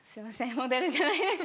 モデルじゃないですか。